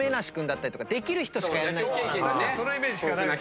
確かにそのイメージしかない。